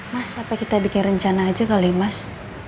mas apa kita bikin rencana aja kali mas